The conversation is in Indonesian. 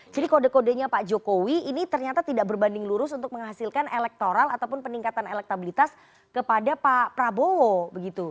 jadi kode kodenya pak jokowi ini ternyata tidak berbanding lurus untuk menghasilkan elektoral ataupun peningkatan elektabilitas kepada pak prabowo begitu